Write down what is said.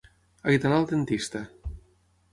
He d'anar al dentista.